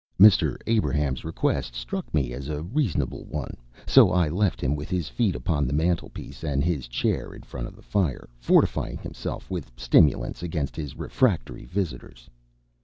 Mr. Abraham's request struck me as a reasonable one, so I left him with his feet upon the mantelpiece, and his chair in front of the fire, fortifying himself with stimulants against his refractory visitors.